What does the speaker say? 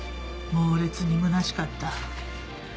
猛烈にむなしかった。